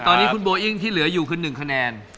ตอนนี้คุณโบอิ้งที่เหลืออยู่คือ๑คะแนน